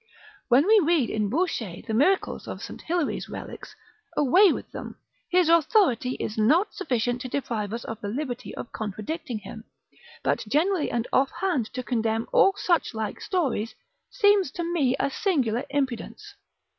When we read in Bouchet the miracles of St. Hilary's relics, away with them: his authority is not sufficient to deprive us of the liberty of contradicting him; but generally and offhand to condemn all suchlike stories, seems to me a singular impudence.